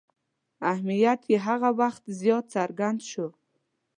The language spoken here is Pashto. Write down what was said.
اهمیت یې هغه وخت زیات څرګند شو.